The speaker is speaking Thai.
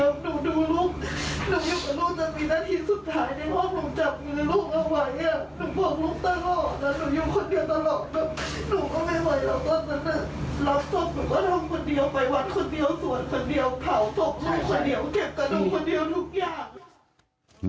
เก็บกระน้องคนเดียวทุกอย่าง